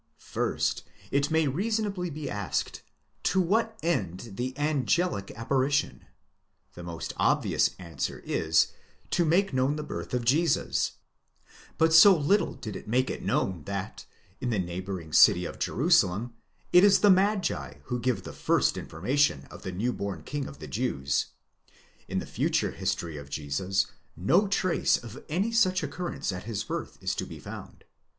First, it may reasonably be asked, to what end the angelic apparition? The most obvious answer is, to make known the birth of Jesus ; but so little did it make it known that, in the neighbouring city of Jerusalem, it is the Magi who give the first informa tion of the new born king of the Jews; and in the future history of Jesus, no trace of any such occurrence at his birth is to be found.